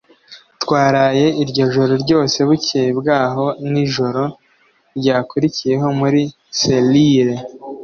Twaraye iryo joro ryose, bukeye bwaho, nijoro ryakurikiyeho muri selire.